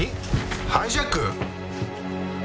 ハイジャック！？